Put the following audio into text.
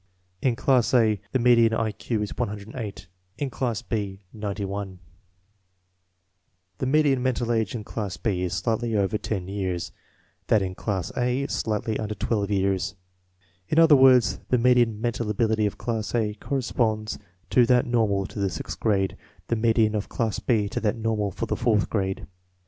In class A the median I Q is 108, in class B, 91. 70 INTELLIGENCE OF SCHOOL CHILDREN The median mental age in class B is slightly over 10 years; that in class A, slightly under 12 years. In other words, the median mental ability of class A cor responds to that normal to the sixth grade; the median of class B to that normal for the fourth grade.